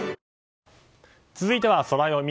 続いてはソラよみ。